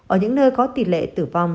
ở những nơi có tỷ lệ tử vong